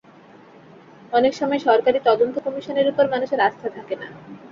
অনেক সময় সরকারি তদন্ত কমিশনের ওপর মানুষের আস্থা থাকে না।